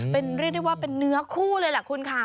เป็นเรียกได้ว่าเป็นเนื้อคู่เลยแหละคุณค่ะ